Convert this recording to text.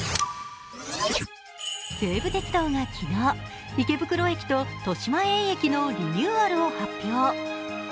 西武鉄道が昨日、池袋駅と豊島園駅のリニューアルを発表。